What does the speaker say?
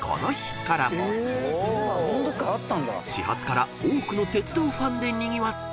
［始発から多くの鉄道ファンでにぎわった］